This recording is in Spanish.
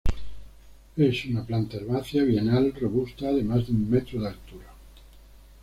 Es una planta herbácea bienal, robusta de más de un metro de altura.